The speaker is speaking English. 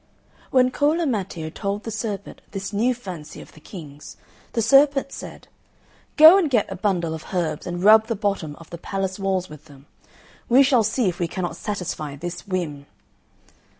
When Cola Matteo told the serpent this new fancy of the King's, the serpent said, "Go and get a bundle of herbs and rub the bottom of the palace walls with them. We shall see if we cannot satisfy this whim!"